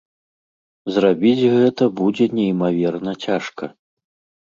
Зрабіць гэта будзе неймаверна цяжка.